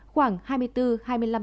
khoảng hai năm trước